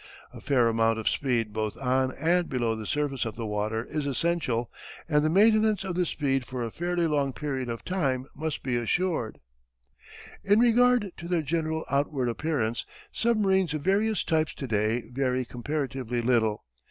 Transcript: A fair amount of speed both on and below the surface of the water is essential and the maintenance of the speed for a fairly long period of time must be assured. In regard to their general outward appearance, submarines of various types to day vary comparatively little.